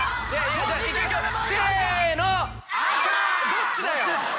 どっちだよ。